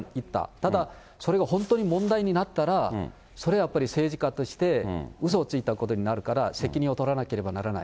ただ、それが本当に問題になったら、それはやっぱり政治家としてうそをついたことになるから、責任を取らなければならない。